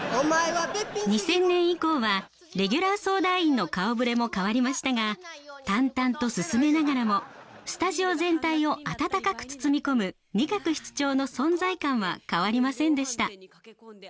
２０００年以降はレギュラー相談員の顔ぶれも変わりましたが淡々と進めながらもスタジオ全体を温かく包み込む仁鶴室長の存在感は変わりませんでした。